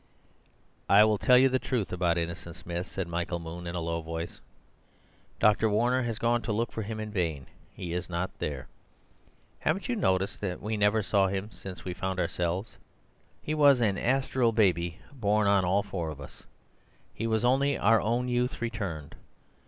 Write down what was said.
"I will tell you the truth about Innocent Smith," said Michael Moon in a low voice. "Dr. Warner has gone to look for him in vain. He is not there. Haven't you noticed that we never saw him since we found ourselves? He was an astral baby born on all four of us; he was only our own youth returned.